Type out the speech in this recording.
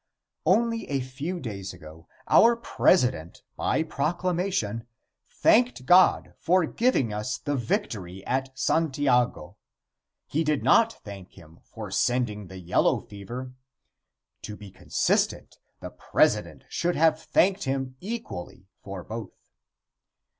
Only a few days ago our President, by proclamation, thanked God for giving us the victory at Santiago. He did not thank him for sending the yellow fever. To be consistent the President should have thanked him equally for both.